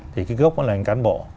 thì cái gốc đó là cán bộ